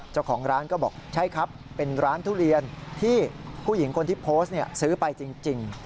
เจ้าของร้านก็บอกใช่ครับเป็นร้านทุเรียนที่ผู้หญิงคนที่โพสต์ซื้อไปจริง